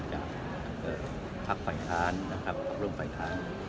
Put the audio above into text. จากภัคค์ฝ่ายค้านภัก๙๐๐ภักค์ล่วงฝ่ายค้าน